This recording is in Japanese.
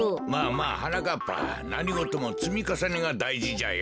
はなかっぱなにごともつみかさねがだいじじゃよ。